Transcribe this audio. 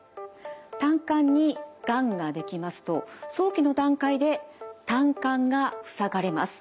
胆管にがんが出来ますと早期の段階で胆管が塞がれます。